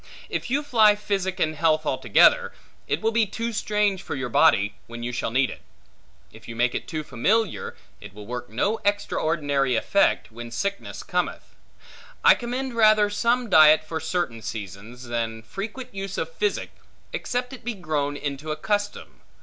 If you fly physic in health altogether, it will be too strange for your body, when you shall need it. If you make it too familiar, it will work no extraordinary effect, when sickness cometh. I commend rather some diet for certain seasons, than frequent use of physic, except it be grown into a custom.